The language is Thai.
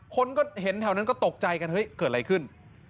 คนก็เห็นแถวนั้นก็ตกใจกันเฮ้ยเกิดอะไรขึ้น